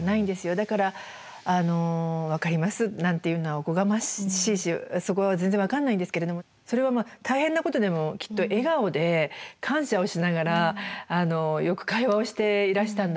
だからあの「分かります」なんていうのはおこがましいしそこは全然分かんないんですけれどもそれはまあ大変なことでもきっと笑顔で感謝をしながらよく会話をしていらしたんだろうなって。